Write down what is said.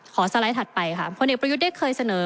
สไลด์ถัดไปค่ะพลเอกประยุทธ์ได้เคยเสนอ